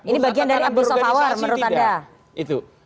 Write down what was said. ini bagian dari abu sofawar menurut anda